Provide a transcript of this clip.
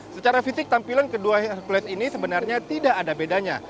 secara fisik tampilan kedua hercules ini sebenarnya tidak ada bedanya